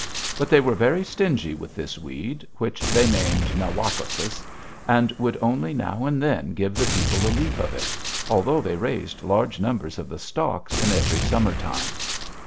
But they were very stingy with this weed, which they named na wak´ o sis, and would only now and then give the people a leaf of it, although they raised large numbers of the stalks in every summer time.